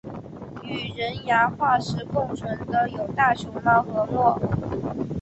与人牙化石共存的有大熊猫和貘。